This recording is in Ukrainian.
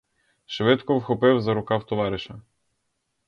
Швидко вхопив за рукав товариша.